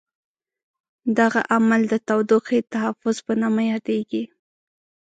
دغه عمل د تودوخې تحفظ په نامه یادیږي.